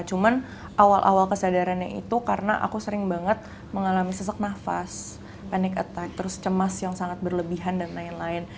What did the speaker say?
cuman awal awal kesadarannya itu karena aku sering banget mengalami sesak nafas panic attack terus cemas yang sangat berlebihan dan lain lain